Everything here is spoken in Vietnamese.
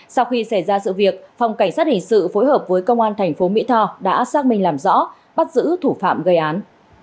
sau khi xảy ra sự việc phòng cảnh sát hình sự phối hợp với công an thành phố mỹ tho đã xác minh làm rõ bắt giữ thủ phạm gây án